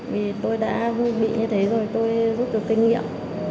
vì tôi đã vui bị như thế rồi tôi rút được kinh nghiệm